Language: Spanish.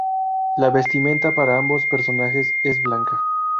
La vestimenta para ambos personajes es blanca.